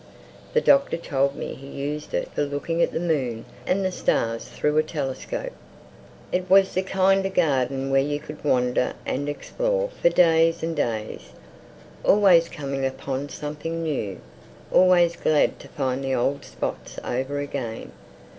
The Doctor told me he used it for looking at the moon and the stars through a telescope. It was the kind of a garden where you could wander and explore for days and days—always coming upon something new, always glad to find the old spots over again.